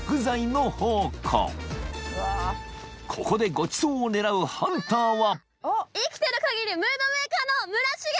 ［ここでごちそうを狙うハンターは］